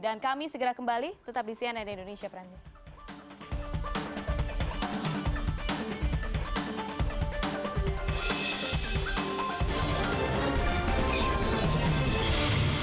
dan kami segera kembali tetap di cnn indonesia prime news